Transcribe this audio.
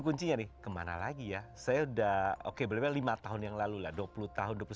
kuncinya nih kemana lagi ya saya udah oke berarti lima tahun yang lalu lah dua puluh tahun dua puluh satu